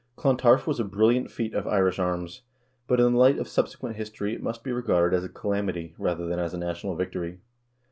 Clontarf was a brilliant feat of Irish arms, but in the light of subsequent history it must be regarded as a calamity, rather than as a national victory.